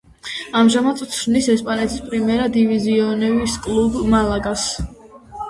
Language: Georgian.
ამჟამად წვრთნის ესპანეთის პრიმერა დივიზიონის კლუბ „მალაგას“.